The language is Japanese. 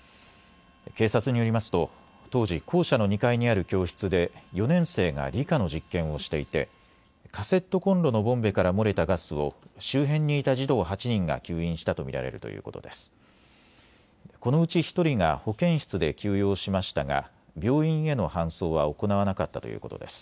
警察によりますと当時、校舎の２階にある教室で４年生が理科の実験をしていてカセットコンロのボンベから漏れたガスを周辺にいた児童８人が吸引したと見られるということです。